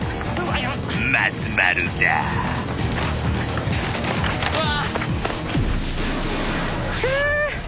［松丸だ］うわ！？